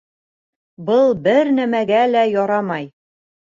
Был бер нәмәгә лә ярамай!